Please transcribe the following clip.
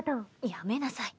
やめなさい。